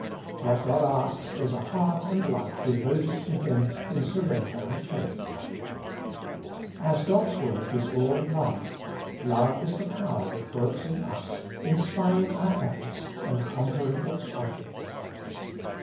5. What God asks is a heart and life devoted to Him in surrender and faith. 6. As God's work is all love, love is the power that works in us, inspiring our efforts and con quering its object.